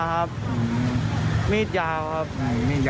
ต้องรับตกใจไหม